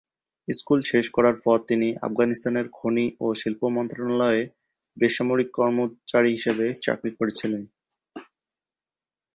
School শেষ করার পর তিনি আফগানিস্তানের খনি ও শিল্প মন্ত্রণালয়ের বেসামরিক কর্মচারী হিসাবে চাকরি করেছিলেন।